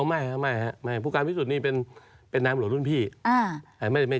ไม่ครับไม่ครับภูกรณ์วิสุทธิ์นี้เป็นน้ำหลวงรุ่นพี่ไม่เจอกันนานครับ